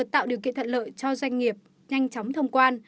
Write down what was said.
một mặt vừa tạo điều kiện thận lợi cho doanh nghiệp nhanh chóng thông quan